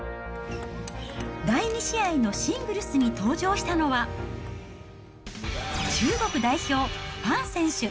第２試合のシングルスに登場したのは、中国代表、ファン選手。